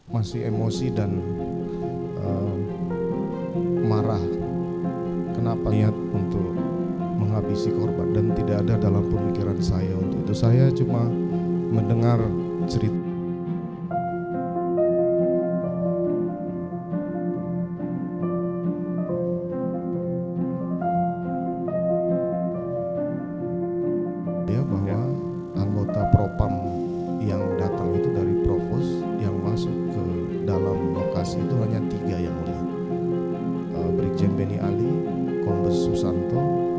masih emosi dan marah kenapa niat untuk menghabisi korban dan tidak ada dalam pemikiran saya untuk itu